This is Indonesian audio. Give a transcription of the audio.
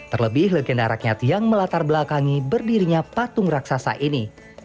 terlebih legenda rakyat yang melatar belakangi berdirinya patung raksasa ini